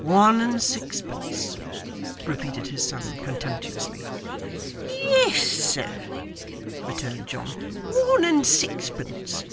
'One and sixpence!' repeated his son contemptuously. 'Yes, sir,' returned John, 'one and sixpence.